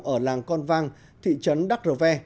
ở làng con vang thị trấn đắc rờ ve